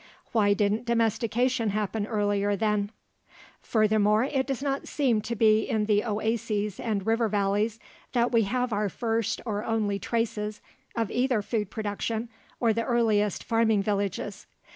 Why didn't domestication happen earlier, then? Furthermore, it does not seem to be in the oases and river valleys that we have our first or only traces of either food production or the earliest farming villages.